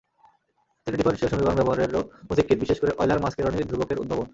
তিনি ডিফারেন্সিয়াল সমীকরণ ব্যবহারেরও পথিকৃৎ, বিশেষ করে অয়লার-মাসকেরনির ধ্রুবকের উদ্ভাবন: